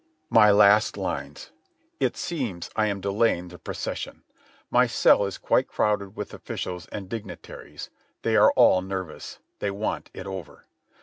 ... My last lines. It seems I am delaying the procession. My cell is quite crowded with officials and dignitaries. They are all nervous. They want it over.